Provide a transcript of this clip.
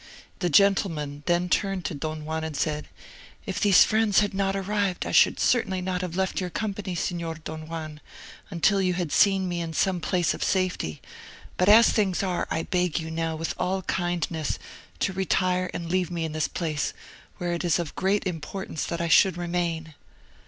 The gentleman then turned to Don Juan and said—"If these friends had not arrived I should certainly not have left your company, Signor Don Juan, until you had seen me in some place of safety; but as things are, I beg you now, with all kindness, to retire and leave me in this place, where it is of great importance that I should remain."